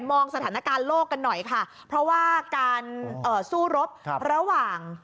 มองสถานการณ์โลกกันหน่อยค่ะเพราะว่าการสู้รบระหว่าง